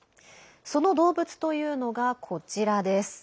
その動物というのがこちらです。